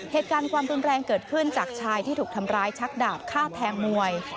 เหตุการณ์ความรุนแรงเกิดขึ้นจากชายที่ถูกทำร้ายชักดาบฆ่าแทงมวย